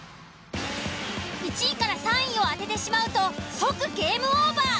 １位３位を当ててしまうと即ゲームオーバー。